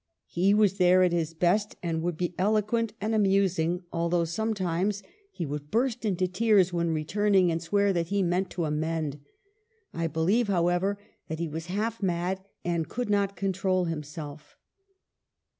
He was there at his best, and would be eloquent and amusing, although sometimes he would burst ^126 EMILY BRONTE. into tears when returning, and swear that he meant to amend. I believe, however, that he was half mad and could not control himself."